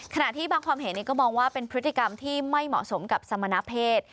ที่บางความเห็นก็มองว่าเป็นพฤติกรรมที่ไม่เหมาะสมกับสมณเพศ